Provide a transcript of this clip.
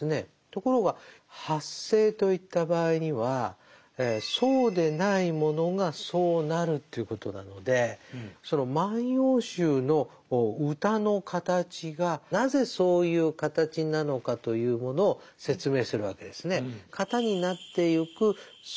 ところが「発生」といった場合にはそうでないものがそうなるということなのでその「万葉集」の歌の形がなぜそういう形なのかというものを説明するわけですね。